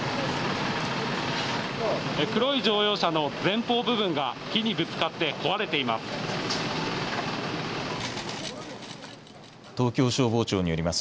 黒い乗用車の前方部分が木にぶつかって壊れています。